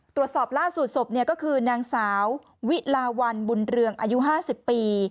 ตรวจสอบล่าสุดศพก็คือนางสาววิลาวันบุญเรืองอายุ๕๐ปี